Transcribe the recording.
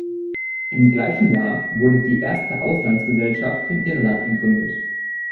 Im gleichen Jahr wurde die erste Auslandsgesellschaft in Irland gegründet.